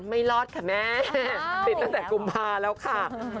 ไม่รอดค่ะแม่ติดตั้งแต่กุมภาแล้วค่ะ